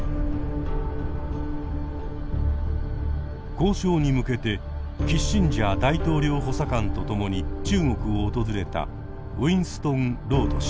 交渉に向けてキッシンジャー大統領補佐官と共に中国を訪れたウィンストン・ロード氏。